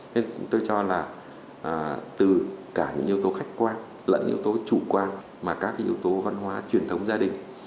nên tôi cho là từ cả những yếu tố khách quan lẫn yếu tố chủ quan mà các yếu tố văn hóa truyền thống gia đình